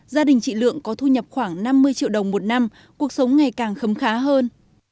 gia đình chị lượng có thu nhập khoảng năm mươi triệu đồng một năm cuộc sống ngày càng khấm khá hơn